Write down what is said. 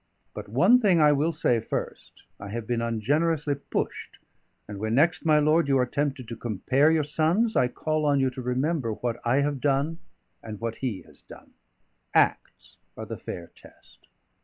But one thing I will say first: I have been ungenerously pushed, and when next, my lord, you are tempted to compare your sons, I call on you to remember what I have done and what he has done. Acts are the fair test."